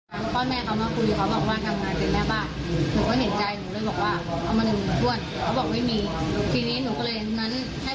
ให้เก็บเงินอีกวันละ๒๓ที่